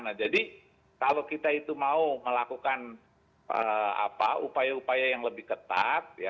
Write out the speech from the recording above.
nah jadi kalau kita itu mau melakukan upaya upaya yang lebih ketat